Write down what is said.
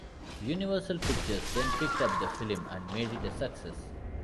Universal Pictures then picked up the film and made it a success.